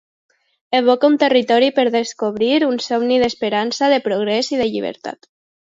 Evoca un territori per descobrir, un somni d'esperança, de progrés i de llibertat.